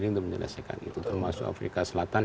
untuk menyelesaikan itu termasuk afrika selatan